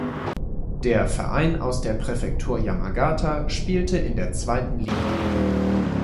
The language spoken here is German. Der Verein aus der Präfektur Yamagata spielte in der zweiten Liga.